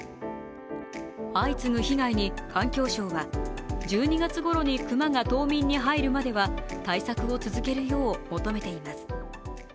相次ぐ被害に環境省は１２月ごろに熊が冬眠に入るまでは対策を続けるよう求めています。